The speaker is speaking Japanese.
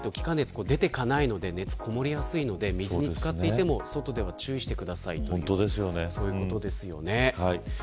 でも頭がぬれていないと気化熱が出ていかないので熱がこもりやすく水に漬かっていても、外では注意してくださいとのことです。